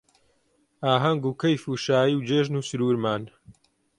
ئاهەنگ و کەیف و شایی و جێژن و سروورمان